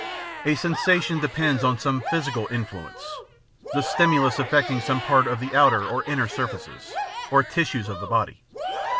A sensation depends on some physical influence, the stimulus affecting some part of the outer or inner surfaces, or tissues of the body.